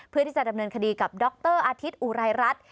เพื่อที่จะดำเนินคดีกับดรอาทิตย์อุรายรัฐ